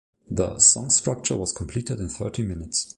The song structure was completed in thirty minutes.